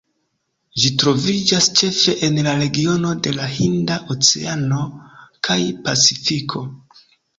Ĝi troviĝas ĉefe en la regiono de la Hinda oceano kaj Pacifiko.